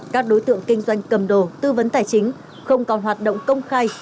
các đối tượng kinh doanh cầm đồ tư vấn tài chính không còn hoạt động công khai